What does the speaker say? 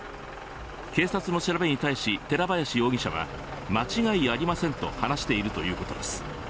警察の調べに対し、寺林容疑者は間違いありませんと話しているということです。